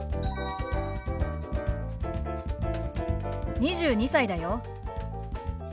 ２２歳だよ。